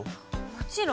もちろん。